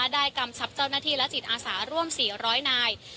กำชับเจ้าหน้าที่และจิตอาสาร่วม๔๐๐นาย